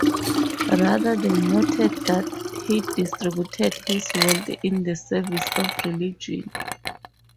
Rather, they noted that he distributed his wealth in the service of religion.